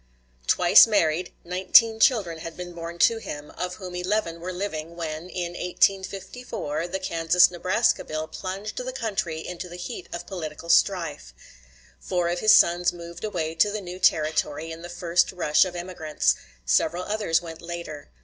Twice married, nineteen children had been born to him, of whom eleven were living when, in 1854, the Kansas Nebraska bill plunged the country into the heat of political strife. Four of his sons moved away to the new Territory in the first rush of emigrants; several others went later.